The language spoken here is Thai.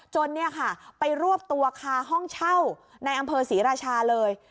เนี่ยค่ะไปรวบตัวคาห้องเช่าในอำเภอศรีราชาเลย